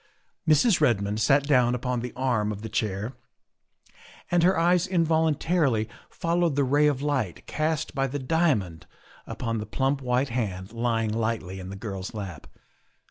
Mrs. Redmond sat down upon the arm of the chair and her eyes involuntarily followed the ray of light cast by the diamond upon the plump white hand lying lightly in the girl's lap.